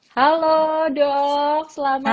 halo dok selamat siang